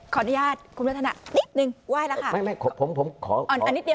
ขออนุญาตคุณผู้ชมด้านหน้าติ๊บหนึ่งไหว้แล้วค่ะ